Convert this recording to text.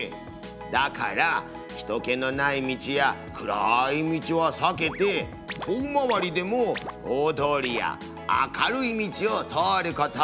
だから人けのない道や暗い道はさけて遠回りでも大通りや明るい道を通ること。